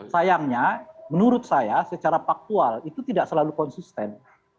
sayangnya menurut saya secara faktual itu tidak selalu konsisten